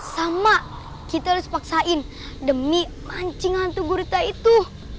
sama kita harus paksain demi mancing hantu gurita itu